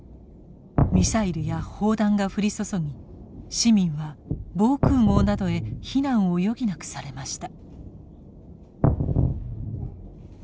ミサイルや砲弾が降り注ぎ市民は防空壕などへ避難を余儀なくされました。